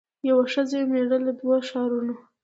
یوه ښځه یو مېړه له دوو ښارونو